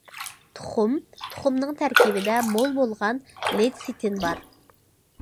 تۇخۇم: تۇخۇمنىڭ تەركىبىدە مول بولغان لېتسىتىن بار.